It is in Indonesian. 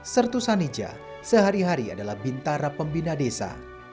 sertu sanija sehari hari adalah bintara pembina desa